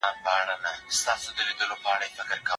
ایا د جګړې په وخت کې خلک ډېر کړېدل؟